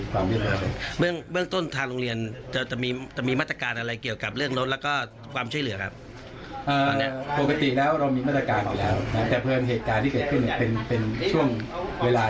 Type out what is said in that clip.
คืออย่างที่หลายคนก็อาจจะติดใจว่า